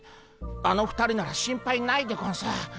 あの２人なら心配ないでゴンス。